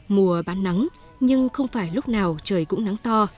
mùa bán nắng nhưng không phải lúc nào trời cũng nắng to